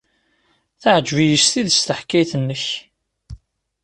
Teɛjeb-iyi s tidet teḥkayt-nnek.